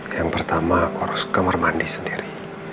yang pertama aku aku harus kamar mandi sendiri